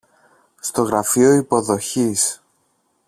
στο γραφείο υποδοχής